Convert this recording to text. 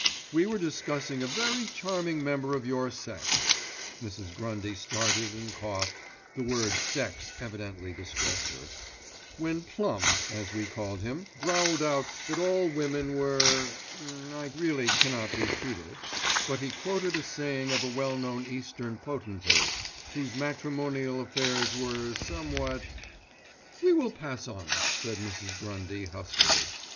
"We were discussing a very charming member of your sex"—(Mrs. Grundy started and coughed, the word "sex" evidently distressed her)—"when Plum, as we called him, growled out that all women were—I really cannot repeat it, but he quoted a saying of a well known Eastern potentate whose matrimonial affairs were somewhat—" "We will pass on," said Mrs. Grundy, huskily.